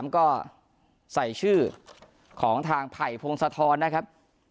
ก็ใส่ชื่อของทางไผ่พงศธรนะครับ